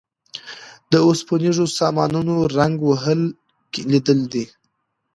د اوسپنیزو سامانونو زنګ وهل لیدلي دي.